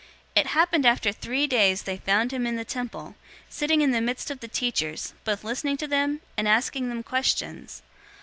002:046 It happened after three days they found him in the temple, sitting in the midst of the teachers, both listening to them, and asking them questions.